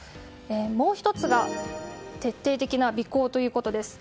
もう１つが徹底的な尾行ということです。